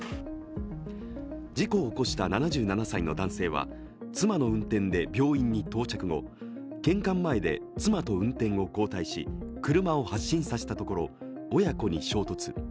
事故を起こした７７歳の男性は妻の運転で病院に到着後、玄関前で妻と運転を交代し車を発進させたところ親子に衝突。